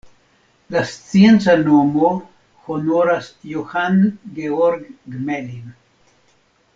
La scienca nomo honoras Johann Georg Gmelin.